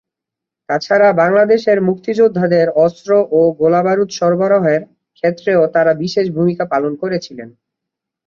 তাছাড়া বাংলাদেশের মুক্তিযোদ্ধাদের অস্ত্র ও গোলাবারুদ সরবরাহের ক্ষেত্রেও তারা বিশেষ ভূমিকা পালন করেছিলেন।